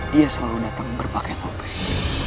dia selalu datang berpakai topeng